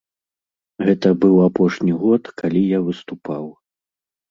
Гэта быў апошні год, калі я выступаў.